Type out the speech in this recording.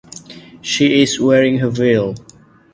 She is wearing her veil.